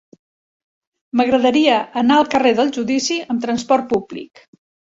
M'agradaria anar al carrer del Judici amb trasport públic.